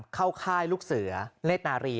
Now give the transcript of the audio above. เข้าค่ายลูกเสือเล็กนารี